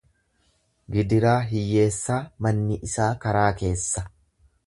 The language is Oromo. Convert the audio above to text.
Gidiraa hiyyeessaa manni isaa karaa keessa.